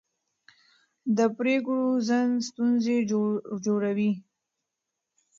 د پرېکړو ځنډ ستونزې ژوروي